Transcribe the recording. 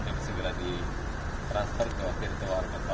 yang disinggali transfer ke virtual control